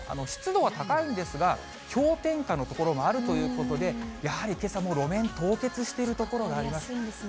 湿度は高いんですが、氷点下の所もあるということで、やはりけさも路面凍結している所があります。